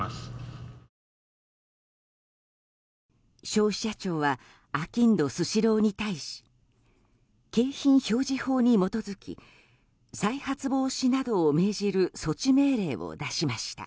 消費者庁はあきんどスシローに対し景品表示法に基づき再発防止などを命じる措置命令を出しました。